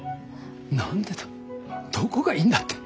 何でだどこがいいんだって。